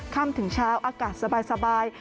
ค่ำถึงเช้าอากาศสบาย